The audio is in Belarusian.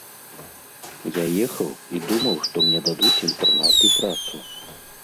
Я ехаў і думаў, што мне дадуць інтэрнат і працу.